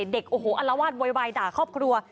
เด็กโอ้โหอัลวาดโวยวายด่าครอบครัว